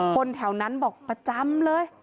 คนแถวนั้นบอกประจำเลย